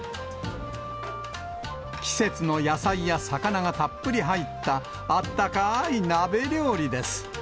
季節の野菜や魚がたっぷり入ったあったかい鍋料理です。